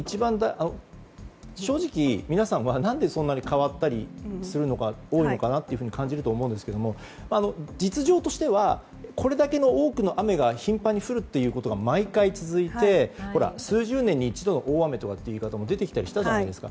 正直、皆さんは何でそんなに変わったりするのが多いのかなって感じると思うんですが実情としてはこれだけの多くの雨が頻繁に降るということが毎回続いて、数十年に一度の大雨という言い方も出てきたりしたじゃないですか。